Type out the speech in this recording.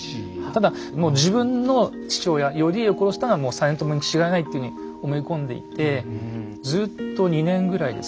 ただもう自分の父親頼家を殺したのはもう実朝にちがいないっていうふうに思い込んでいてずっと２年ぐらいですね